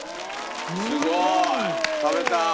すごい！食べたい！